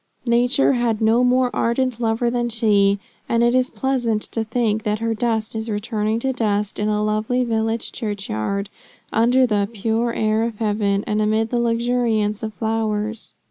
Nature had no more ardent lover than she; and it is pleasant to think that her dust is returning to dust in a lovely village church yard, under the "pure air of heaven, and amid the luxuriance of flowers."